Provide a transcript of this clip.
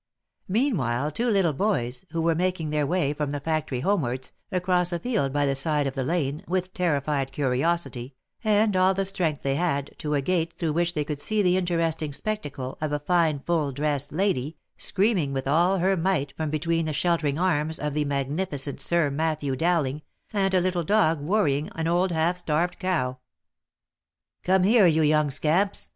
Meanwhile, two little boys, who were making their way from the factory homewards, across a field by the side of the lane, ran with terrified curiosity, and all the strength they had, to a gate, through which they could see the interesting spectacle of a fine full dressed lady, screaming with all her might from between the sheltering arms of the magnificent Sir Matthew Dowling, and a little dog worrying an old half starved cow. " Come here, you young scamps